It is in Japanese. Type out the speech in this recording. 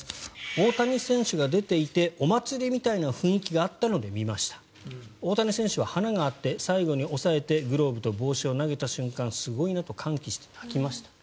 大谷選手が出ていてお祭りみたいな雰囲気があったので見ました大谷選手は華があって最後に抑えてグローブと帽子を投げた瞬間すごいなと歓喜して泣きました。